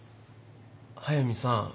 速見さん。